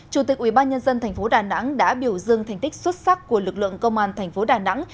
chủ tịch ubnd tp đà nẵng đã biểu dương thành tích xuất sắc của lực lượng công an thành phố đà nẵng